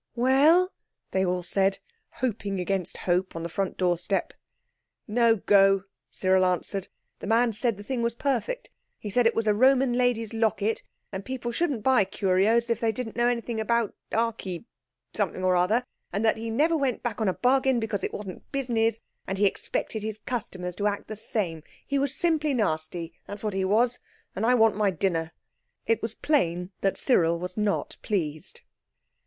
"Well?" they all said, hoping against hope on the front door step. "No go," Cyril answered; "the man said the thing was perfect. He said it was a Roman lady's locket, and people shouldn't buy curios if they didn't know anything about arky—something or other, and that he never went back on a bargain, because it wasn't business, and he expected his customers to act the same. He was simply nasty—that's what he was, and I want my dinner." It was plain that Cyril was not pleased.